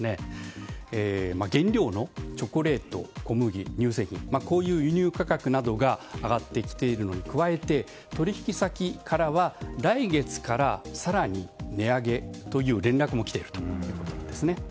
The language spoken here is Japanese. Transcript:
原料のチョコレート小麦、乳製品こういう輸入価格などが上がってきているのに加えて取引先からは来月更に値上げという連絡も来ているということです。